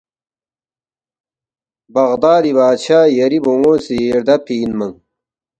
بغدادی بادشاہ یری بون٘و سی ردَبفی اِنمنگ